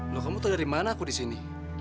lo kamu tau dari mana aku disini